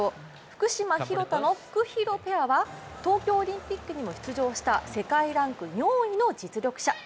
福島・廣田のフクヒロペアは東京オリンピックにも出場した世界ランク４位の実力者。